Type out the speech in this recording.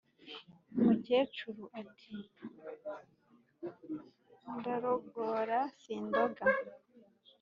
Umukecuru ati"ndarogora sindoga"